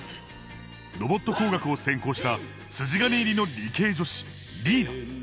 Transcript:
ロボット工学を専攻した筋金入りの理系女子梨衣名。